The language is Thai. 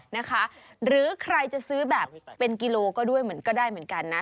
นะคะหรือใครจะซื้อแบบเป็นกิโลก็ด้วยเหมือนก็ได้เหมือนกันนะ